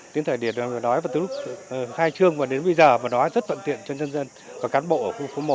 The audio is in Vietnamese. tiến thầy điệt nói từ lúc khai trương và đến bây giờ mà nói rất thuận tiện cho nhân dân và cán bộ ở khu phố một